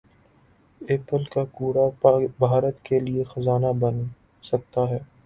apple کا کوڑا بھارت کیلئے خزانہ بن سکتا ہے